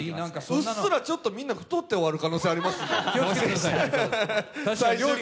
うっすらちょっとみんな、太って終わる可能性があるから。